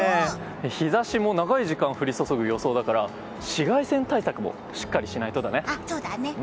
日差しも長い時間降り注ぐ予想だから紫外線対策もしっかりしないとだね。